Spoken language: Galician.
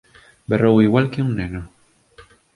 Berrou igual que un neno.